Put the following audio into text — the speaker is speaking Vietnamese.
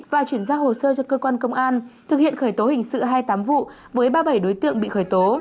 và chuyển giao hồ sơ cho cơ quan công an thực hiện khởi tố hình sự hai mươi tám vụ với ba mươi bảy đối tượng bị khởi tố